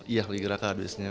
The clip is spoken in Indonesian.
iya lagi gerakan abisnya